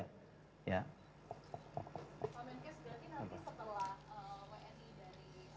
pak menkes berarti nanti setelah wni dari jepang ini akan turun